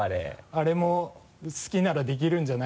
あれも好きならできるんじゃない？